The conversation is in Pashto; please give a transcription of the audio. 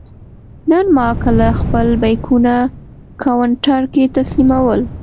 نن ما کله خپل بېکونه کاونټر کې تسلیمول.